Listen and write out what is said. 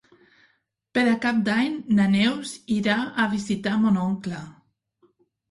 Per Cap d'Any na Neus irà a visitar mon oncle.